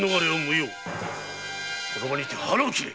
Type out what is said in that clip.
この場にて腹を切れ！